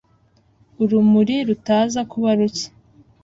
urumuri rutaza kuba ruke,